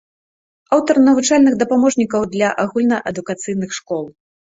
Аўтар навучальных дапаможнікаў для агульнаадукацыйных школ.